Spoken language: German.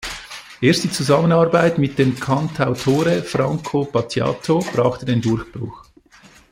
Erst die Zusammenarbeit mit dem Cantautore Franco Battiato brachte den Durchbruch.